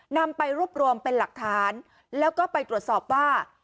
นำไปรวบรวมเป็นหลักฐานแล้วก็ไปตรวจสอบว่า